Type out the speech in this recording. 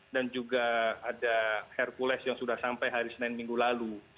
dan juga ada hercules yang sudah sampai hari senin minggu lalu